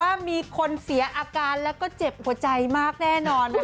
ว่ามีคนเสียอาการแล้วก็เจ็บหัวใจมากแน่นอนค่ะ